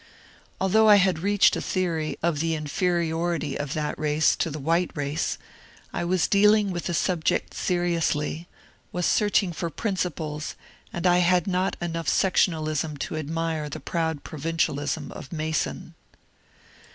Although I had reached a theory of the inf eri GENERAL ZACHARY TAYLOR 87 oriiy of that race to the white race, I was dealing with the subject seriously, was searching for principles, and I had not enough sectionalism to admire the proud provincialism of Mason.